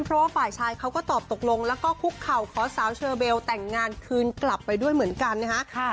เพราะว่าฝ่ายชายเขาก็ตอบตกลงแล้วก็คุกเข่าขอสาวเชอเบลแต่งงานคืนกลับไปด้วยเหมือนกันนะฮะ